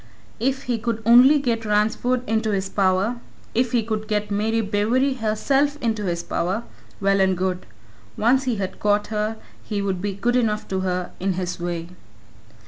If he could only get Ransford into his power if he could get Mary Bewery herself into his power well and good. Once he had got her, he would be good enough to her in his way.